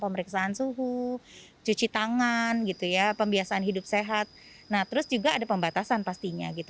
pemeriksaan suhu cuci tangan pembiasaan hidup sehat terus juga ada pembatasan pastinya